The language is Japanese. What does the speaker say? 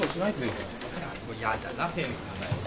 はい。